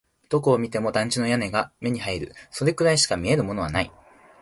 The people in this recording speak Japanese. どこを見ても団地の屋根が目に入る。それくらいしか見えるものはない。